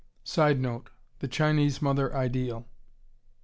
[Sidenote: The Chinese Mother Ideal.